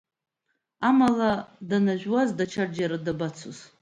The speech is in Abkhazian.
Амала, данажәуаз даҽаџьара дабацоз.